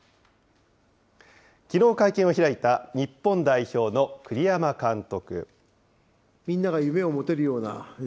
きのう、会見を開いた日本代表の栗山監督。